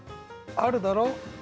あるだろ？